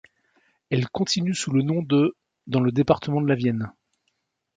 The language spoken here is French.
Elle continue sous le nom de dans le département de la Vienne.